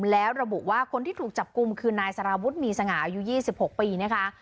แล้วระบุว่าคนที่ถูกจับกลุ่มคือนายสารวุฒิมีสง่าอายุ๒๖ปีนะคะ